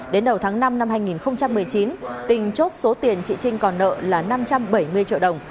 đến đầu tháng năm năm hai nghìn một mươi chín tình chốt số tiền chị trinh còn nợ là năm trăm bảy mươi triệu đồng